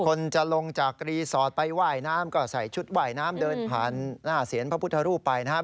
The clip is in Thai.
คนจะลงจากรีสอร์ทไปว่ายน้ำก็ใส่ชุดว่ายน้ำเดินผ่านหน้าเสียนพระพุทธรูปไปนะครับ